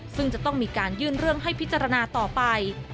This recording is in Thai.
ซึ่งจะต้องมีการยื่นเรื่องให้พิจารณาต่อไป